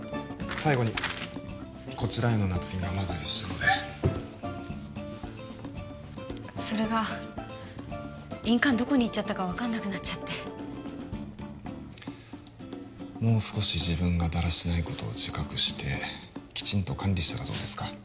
最後にこちらへの捺印がまだでしたのでそれが印鑑どこにいっちゃったか分かんなくなっちゃってもう少し自分がだらしないことを自覚してきちんと管理したらどうですか？